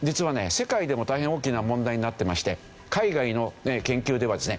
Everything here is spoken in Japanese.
世界でも大変大きな問題になってまして海外の研究ではですね